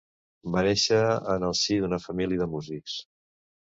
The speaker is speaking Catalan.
Va néixer en el si d'una família de músics.